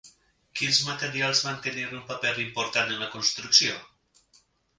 Quins materials van tenir un paper important en la construcció?